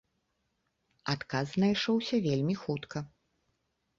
Адказ знайшоўся вельмі хутка.